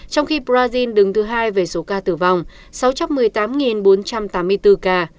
trong khi brazil đứng thứ hai về số ca tử vong sáu trăm một mươi tám bốn trăm tám mươi bốn ca